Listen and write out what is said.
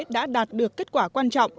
đã đạt được kết quả quan trọng